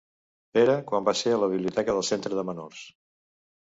Pere, quan van ser a la biblioteca del centre de menors—.